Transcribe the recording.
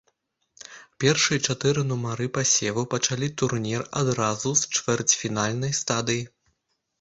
Першыя чатыры нумары пасеву пачалі турнір адразу з чвэрцьфінальнай стадыі.